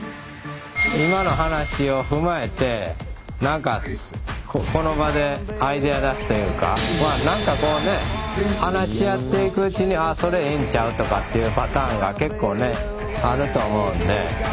今の話を踏まえてなんかこの場でアイデア出しというかなんかこうね話し合っていくうちにああそれええんちゃうとかっていうパターンが結構ねあると思うんで。